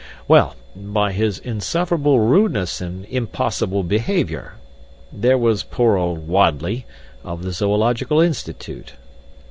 "Well, by his insufferable rudeness and impossible behavior. There was poor old Wadley, of the Zoological Institute.